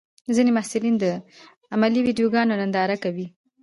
ځینې محصلین د علمي ویډیوګانو ننداره کوي.